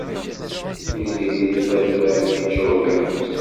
Tiziri tella tban yeččuṛ wul-is.